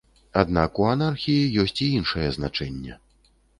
Аднак у анархіі ёсць і іншае значэнне.